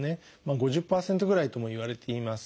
５０％ぐらいともいわれています。